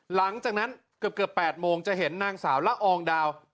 หลังจากนั้นเกือบ๘โมงจะเห็นนางสาวละอองดาว